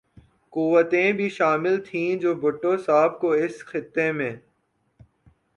قوتیں بھی شامل تھیں جو بھٹو صاحب کو اس خطے میں